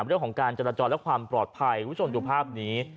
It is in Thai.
เรื่องของการจราจรและความปลอดภัยคุณผู้ชมดูภาพนี้